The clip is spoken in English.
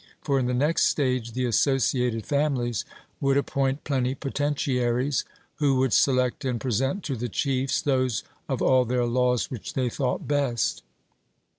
For in the next stage the associated families would appoint plenipotentiaries, who would select and present to the chiefs those of all their laws which they thought best.